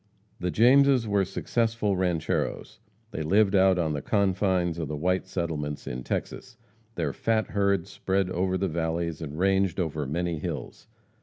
The Jameses were successful rancheros; they lived out on the confines of the white settlements in Texas. Their fat herds spread over the valleys and ranged over many hills.